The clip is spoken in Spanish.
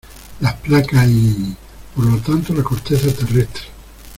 las placas y... por lo tanto la corteza terrestre ...